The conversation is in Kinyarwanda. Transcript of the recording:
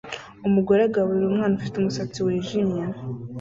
Umugore agaburira umwana ufite umusatsi wijimye